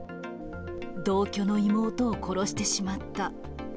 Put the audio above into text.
同居の妹を殺してしまった。